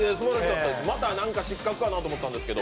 また失格かなと思ったんですけど。